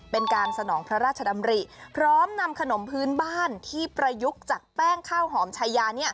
เป็นการสนองพระราชดำริพร้อมนำขนมพื้นบ้านที่ประยุกต์จากแป้งข้าวหอมชายา